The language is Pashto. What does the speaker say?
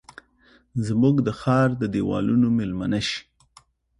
زموږ د ښارد دیوالونو میلمنه شي